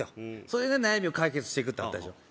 それで悩みを解決していくってあったでしょ